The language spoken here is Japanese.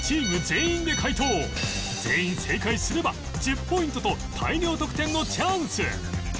全員正解すれば１０ポイントと大量得点のチャンス！